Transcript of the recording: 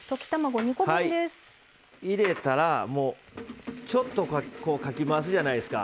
入れたら、ちょっとかき回すじゃないですか。